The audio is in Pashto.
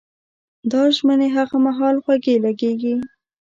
دا ژمنې هغه مهال خوږې لګېږي.